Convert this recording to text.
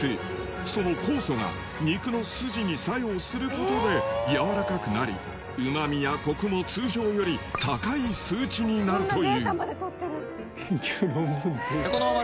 その酵素が肉の筋に作用することで柔らかくなり旨味やコクも通常より高い数値になるというこのまま。